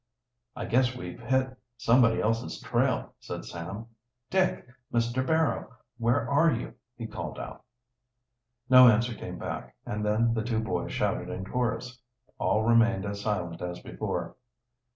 "I guess we've hit somebody else's trail," said Sam. "Dick! Mr. Barrow! Where are you?" he called out. No answer came back, and then the two boys shouted in chorus. All remained as silent as before.